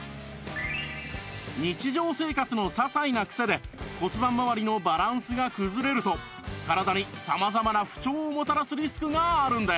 日常生活のささいなクセで骨盤まわりのバランスが崩れると体に様々な不調をもたらすリスクがあるんです